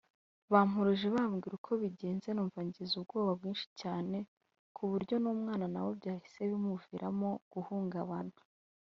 bampuruje bambwira uko bigenze numva ngize ubwoba bwinshi cyane ku buryo n’umwana na we byahise bimuviramo guhungabana”